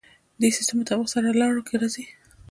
دې سیستم مطابق سرلارو کې راځي.